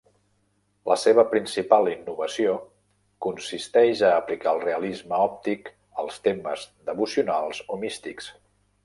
La seva principal innovació consisteix a aplicar el realisme òptic als temes devocionals o místics.